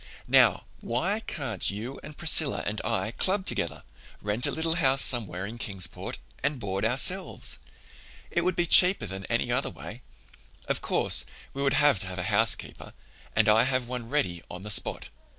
"Now, why can't you and Priscilla and I club together, rent a little house somewhere in Kingsport, and board ourselves? It would be cheaper than any other way. Of course, we would have to have a housekeeper and I have one ready on the spot.